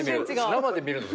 生で見ると。